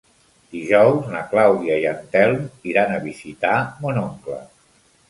Dijous na Clàudia i en Telm iran a visitar mon oncle.